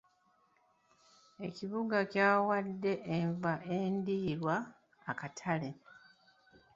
Ekibuga kyawadde enva endiirwa akatale.